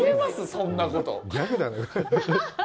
そんなこと。